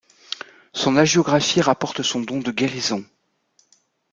Son hagiographie rapporte son don de guérison.